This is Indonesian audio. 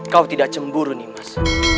kau tidak cemburu nih mas